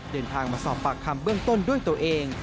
เดินทางมาสอบปากคำเบื้องต้นด้วยตัวเอง